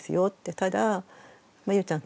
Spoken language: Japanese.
ただゆうちゃん